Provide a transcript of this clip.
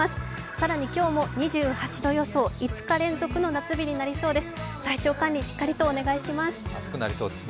更に今日も２８度予想、５日連続の夏日となりそうです。